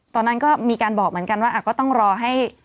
ตอนนั้นก็มีการบอกเหมือนกันว่าก็ต้องรอให้